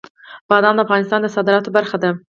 بادام د افغانستان د صادراتو برخه ده.